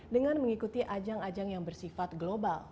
dengan mengikuti ajang ajang yang bersifat global